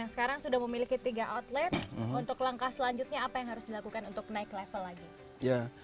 sekarang sudah memiliki tiga outlet untuk langkah selanjutnya apa yang harus dilakukan untuk naik level lagi